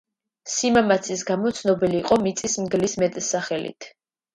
სიმამაცის გამო ცნობილი იყო „მიწის მგლის“ მეტსახელით.